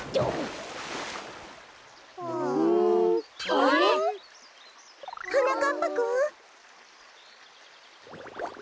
あああれ？はなかっぱくん？